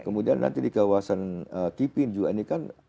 kemudian nanti di kawasan kipin juga ini kan